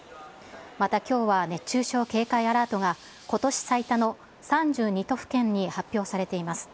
またきょうは、熱中症警戒アラートがことし最多の３２都府県に発表されています。